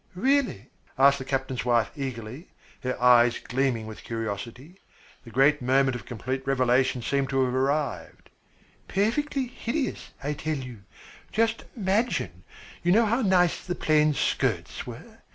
"Really?" asked the captain's wife eagerly, her eyes gleaming with curiosity. The great moment of complete revelation seemed to have arrived. "Perfectly hideous, I tell you. Just imagine, you know how nice the plain skirts were.